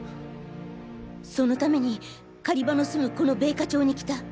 そのために狩場の住むこの米花町に来た。